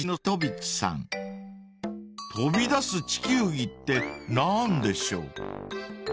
［飛び出す地球儀って何でしょう？］